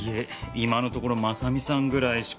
今のところ真実さんぐらいしか。